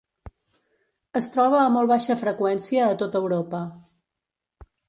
Es troba a molt baixa freqüència a tota Europa.